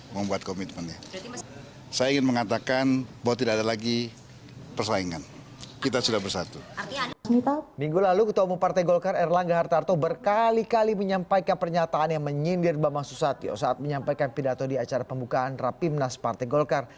membuat komitmennya ketua umum partai golkar erlangga hartarto berkali kali menyampaikan pernyataan yang menyindir bambang susatyo saat menyampaikan pidato di acara pembukaan rapimnas partai golkar